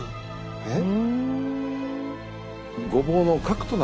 えっ？